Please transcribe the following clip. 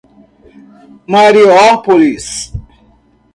Mariópolis